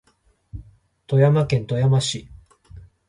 富山県富山市